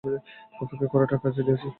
অপেক্ষা করাটা কাজে দিয়েছে।